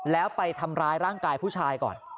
แล้วไปทำร้ายร่างกายผู้ชายก่อน